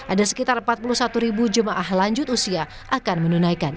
ada sekitar empat puluh satu ribu jemaah lanjut usia akan menunaikan